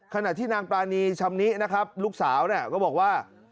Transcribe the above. ขณะที่นางปรานีชำนินะครับลูกสาวก็บอกว่า